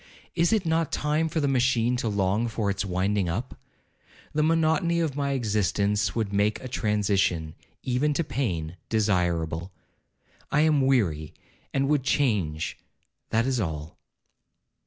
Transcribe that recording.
Is it not time for the machine to long for its winding up? The monotony of my existence would make a transition, even to pain, desirable. I am weary, and would change—that is all.'